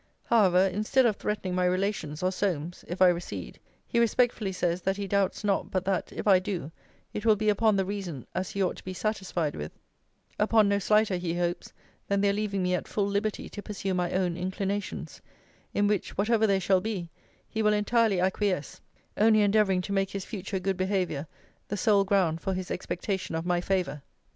'However, instead of threatening my relations, or Solmes, if I recede, he respectfully says, that he doubts not, but that, if I do, it will be upon the reason, as he ought to be satisfied with; upon no slighter, he hopes, than their leaving me at full liberty to pursue my own inclinations: in which (whatever they shall be) he will entirely acquiesce; only endeavouring to make his future good behaviour the sole ground for his expectation of my favour.